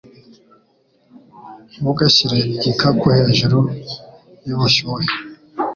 Ntugashyire igikapu hejuru yubushyuhe.